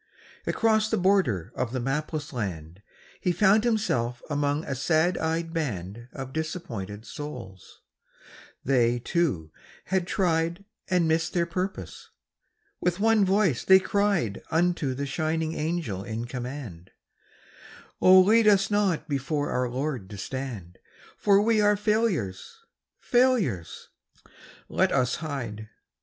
Across the border of the mapless land He found himself among a sad eyed band Of disappointed souls; they, too, had tried And missed their purpose. With one voice they cried Unto the shining Angel in command: 'Oh, lead us not before our Lord to stand, For we are failures, failures! Let us hide.